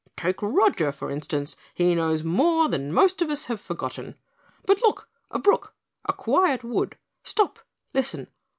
"Take Roger, for instance, he knows more than most of us have forgotten. But look! A brook, a quiet wood! Stop! Listen!